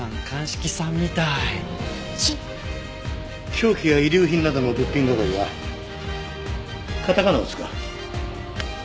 凶器や遺留品などの物品係はカタカナを使う。